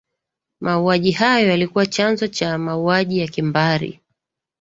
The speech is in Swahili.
mauaji hayo yalikuwa chanzo cha mauaji ya kimbari